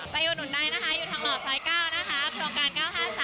ไปอยู่หนุนได้นะคะอยู่ทางหลอดซ้อย๙นะคะ